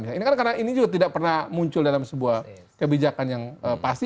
karena ini juga tidak pernah muncul dalam sebuah kebijakan yang pasti